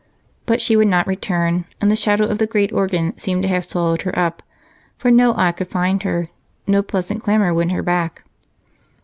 But she would not return, and the shadow of the great organ seemed to have swallowed her up, for no eye could find her, no pleasant clamor win her back.